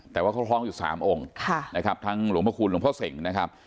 แต่ว่าเขาคล้องอยู่๓องค์นะครับทั้งหลวงพระคุณหลวงพ่อเสงนะครับ